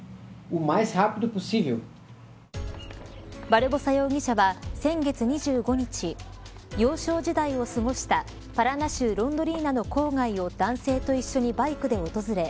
バルボサ容疑者は、先月２５日幼少時代を過ごしたパラナ州ロンドリーナの郊外を男性と一緒にバイクで訪れ